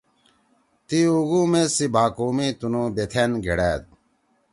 تی اُوگُو میز سی بھا کؤ می تُنُو بِتھأن گھیڑأد۔